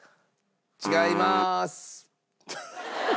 違います。